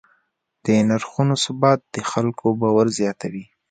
د نرخونو ثبات د خلکو باور زیاتوي.